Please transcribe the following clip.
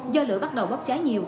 do lửa bắt đầu bóp cháy nhiều